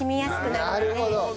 なるほど！